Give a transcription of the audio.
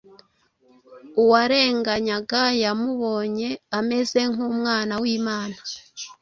Uwarenganyaga yamubonye ameze nk’Umwana w’Imana,